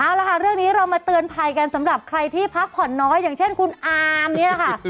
เอาละค่ะเรื่องนี้เรามาเตือนภัยกันสำหรับใครที่พักผ่อนน้อยอย่างเช่นคุณอามนี่แหละค่ะ